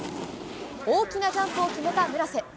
大きなジャンプを決めた村瀬。